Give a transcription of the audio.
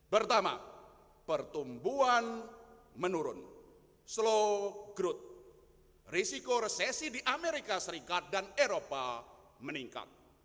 pertama pertumbuhan menurun slow growth risiko resesi di amerika serikat dan eropa meningkat